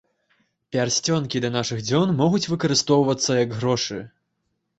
Пярсцёнкі да нашых дзён могуць выкарыстоўвацца як грошы.